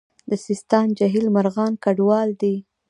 د سیستان جهیل مرغان کډوال دي